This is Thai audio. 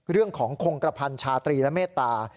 เรื่องของคงกระพันชาตรีและเมตตา